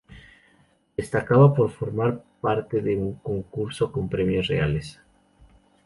Destacaba por formar parte de un concurso con premios reales.